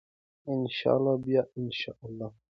ان شاء الله بیا ان شاء الله.